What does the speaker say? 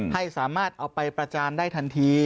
ให้สามารถเอาไปประจานได้ทันที